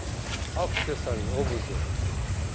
アクセサリーオブジェ。